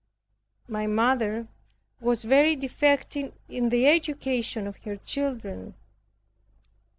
My mother was very defective in the education of her children.